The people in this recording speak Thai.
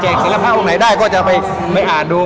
แจกศิลปะของใครได้ก็จะไปอ่านดู